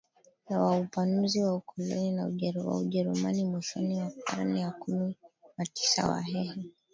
wa upanuzi wa ukoloni wa Ujerumani mwishoni mwa karne ya kumi na tisaWahehe